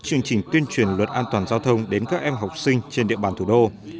chương trình tuyên truyền luật an toàn giao thông đến các em học sinh trên địa bàn thủ đô